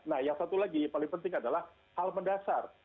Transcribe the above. nah yang satu lagi paling penting adalah hal mendasar